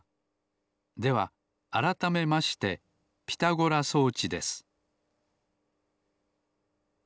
ではあらためましてピタゴラ装置です